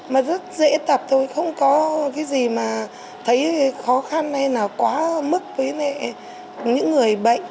mà rất dễ tập thôi không có cái gì mà thấy khó khăn hay là quá mức với những người bệnh